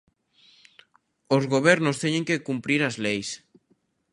Os gobernos teñen que cumprir as leis.